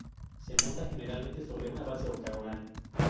Se monta generalmente sobre una base octogonal.